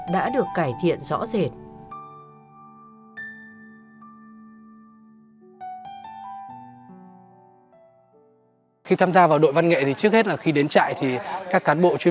và trở thành hạt nhân của đội văn nghệ trại giam ngọc lý